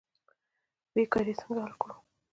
بیکاري څنګه حل کړو؟